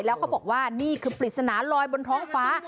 แล้วเขาบอกว่านี่คือปริศนาลอยบนท้องฟ้า